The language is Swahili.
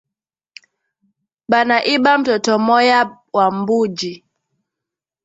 Banaiba mtoto moya wa mbuji